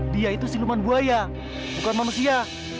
dia itu siluman buaya bukan manusia